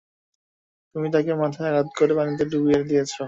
তুমি তাকে মাথায় আঘাত করে পানিতে ডুবিয়ে দিয়েছো।